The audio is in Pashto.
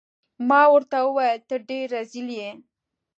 ما ورته وویل: ته ډیر رزیل يې.